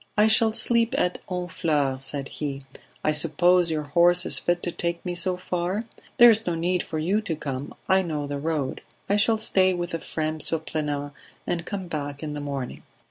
"I shall sleep at Honfleur," said he, "I suppose your horse is fit to take me so far? There is no need for you to come, I know the road. I shall stay with Ephrem, Surprenant, and come back in the morning."